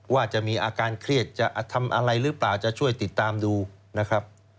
ว่าจะมีอาการเครียดจะทำอะไรหรือเปล่าจะช่วยติดตามดูนะครับ